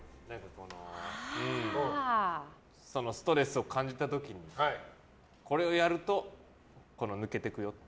ストレスを感じた時にこれをやると、抜けてくよって。